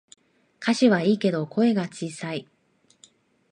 歌詞はいいけど声が小さい